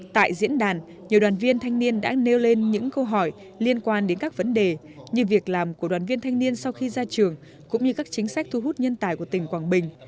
tại diễn đàn nhiều đoàn viên thanh niên đã nêu lên những câu hỏi liên quan đến các vấn đề như việc làm của đoàn viên thanh niên sau khi ra trường cũng như các chính sách thu hút nhân tài của tỉnh quảng bình